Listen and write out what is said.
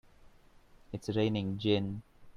It's raining gin!